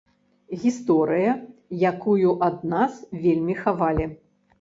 Гісторыя, якую ад нас вельмі хавалі.